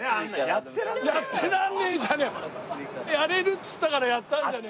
やれるっつったからやったんじゃねえかよ。